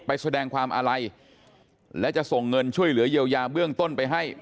ไปแสดงความอาลัยและจะส่งเงินช่วยเหลือเยียวยาเบื้องต้นไปให้